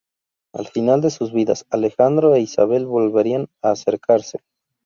Al final de sus vidas, Alejandro e Isabel volverían a acercarse.